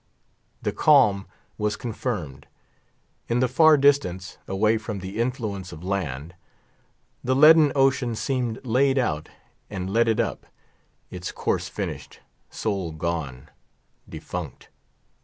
The calm was confirmed. In the far distance, away from the influence of land, the leaden ocean seemed laid out and leaded up, its course finished, soul gone, defunct.